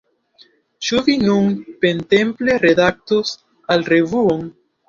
Ĉu vi nun plentempe redaktos la revuon?